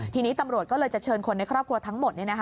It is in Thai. ทีนี้ตำรวจก็เลยจะเชิญคนในครอบครัวทั้งหมด